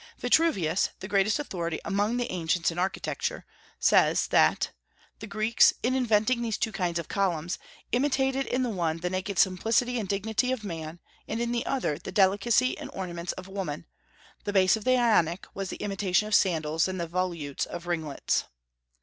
Vitruvius, the greatest authority among the ancients in architecture, says that "the Greeks, in inventing these two kinds of columns, imitated in the one the naked simplicity and dignity of man, and in the other the delicacy and ornaments of woman; the base of the Ionic was the imitation of sandals, and the volutes of ringlets."